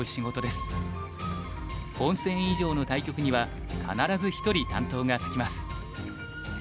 本戦以上の対局には必ず１人担当がつきます。